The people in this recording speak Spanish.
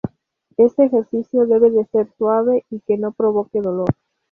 Este ejercicio debe ser suave y que no provoque dolor.